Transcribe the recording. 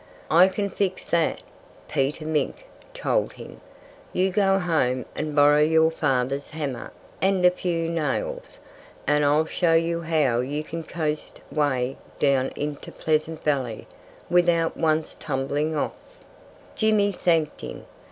"I can fix that," Peter Mink told him. "You go home and borrow your father's hammer and a few nails, and I'll show you how you can coast 'way down into Pleasant Valley without once tumbling off." Jimmy thanked him.